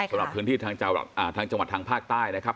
สำหรับพื้นที่ทางจังหวัดทางภาคใต้นะครับ